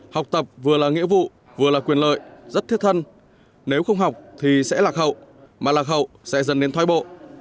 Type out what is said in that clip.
học tập vừa là nghĩa vụ vừa là quyền lợi rất thiết thân nếu không học thì sẽ lạc hậu mà lạc hậu sẽ dần đến thoái bộ